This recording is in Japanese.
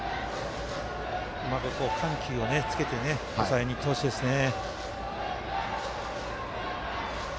うまく緩急をつけて抑えにいってほしいですね。